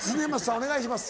お願いします。